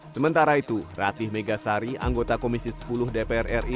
sementara itu ratih megasari anggota komisi sepuluh dpr ri